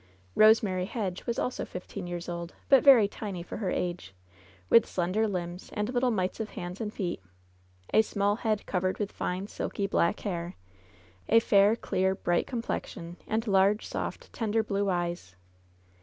Eosemary Hedge was also fifteen years old, but very tiny for her age, with slender limbs and little mites <rf hands and feet, a small head covered with fine, silky black hair, a fair, clear, bright complexion, and large, soft, tender blue eyes.